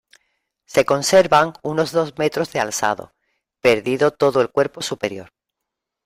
Se conservan unos dos metros de alzado, perdido todo el cuerpo superior.